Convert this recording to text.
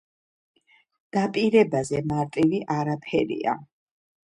დაპირებაზე მარტივი არაფერია.